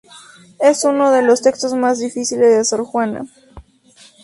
Es uno de los textos más difíciles de Sor Juana.